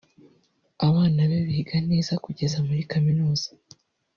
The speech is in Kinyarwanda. abana be biga neza kugeza muri Kaminuza